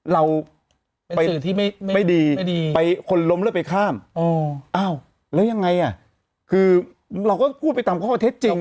เราไปไม่ดีไปคนล้มแล้วไปข้ามอ้าวแล้วยังไงอ่ะคือเราก็พูดไปตามข้อเท็จจริง